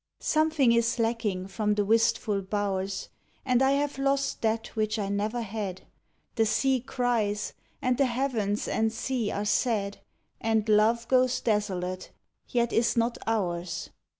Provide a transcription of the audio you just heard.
Something is lacking from the wistful bow rs, And I have lost that which I never had. The sea cries, and the heavens and sea are sad, And Love goes desolate, yet is not ours.